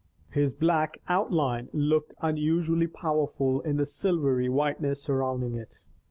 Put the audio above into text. His black outline looked unusually powerful in the silvery whiteness surrounding it.